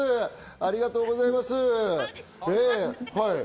ありがとうございます。